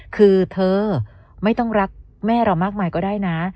คือเธอไม่ต้องรักแม่เรามากมายก็ได้นะ